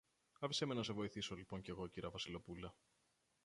Άφησε με να σε βοηθήσω λοιπόν κι εγώ, κυρα-Βασιλοπούλα.